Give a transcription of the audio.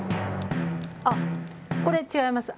あこれ違います。